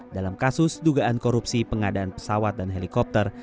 dalam kasus dugaan korupsi pengadaan pesawat dan helikopter